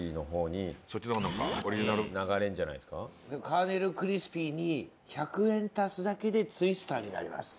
カーネルクリスピーに１００円足すだけでツイスターになります。